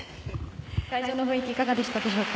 会場の雰囲気いかがでしたでしょうか。